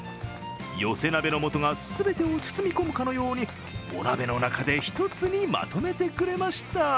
寄せ鍋の素が全てを包み込むかのようにお鍋の中でひとつにまとめてくれました。